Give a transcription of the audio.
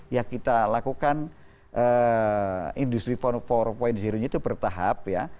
ya kita lakukan industri empat nya itu bertahap ya